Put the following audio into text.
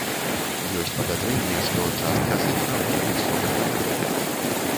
Ёсць падазрэнне, што частка з іх наогул сфабрыкаваная.